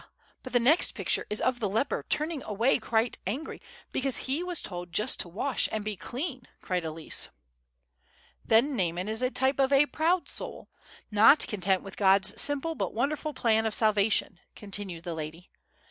but the next picture is of the leper turning away quite angry because he was told just to wash and be clean," cried Elsie. "Then Naaman is a type of a proud soul, not content with God's simple but wonderful plan of salvation," continued the lady.